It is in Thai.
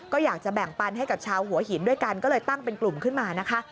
ก็อยากจะแบ่งปันให้กับชาวหัวหินด้วยกันก็เลยตั้งเป็นกลุ่มขึ้นมานะคะ